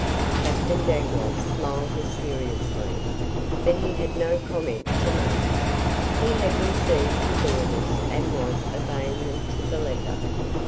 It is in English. Captain Dangloss smiled mysteriously, but he had no comment to make. He had received his orders and was obeying them to the letter.